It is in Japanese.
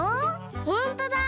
ほんとだ！